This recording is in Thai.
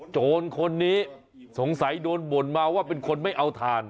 โจรคนนี้สงสัยโดนบ่นมาว่าเป็นคนไม่เอาถ่าน